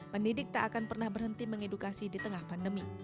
pendidik tak akan pernah berhenti mengedukasi di tengah pandemi